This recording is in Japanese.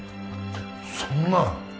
そんな